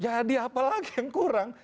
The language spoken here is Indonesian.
jadi apa lagi yang kurang